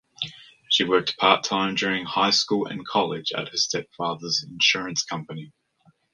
She worked part-time during high school and college at her stepfather's insurance company.